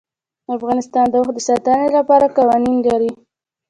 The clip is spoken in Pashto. افغانستان د اوښ د ساتنې لپاره قوانین لري.